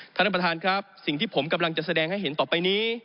ท่านประธานครับสิ่งที่ผมกำลังจะแสดงให้เห็นต่อไปนี้